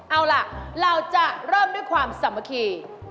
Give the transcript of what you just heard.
เอาล่ะเราจะเริ่มด้วยความสามัคคี